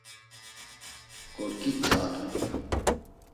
K̆orǩitza aǩnu.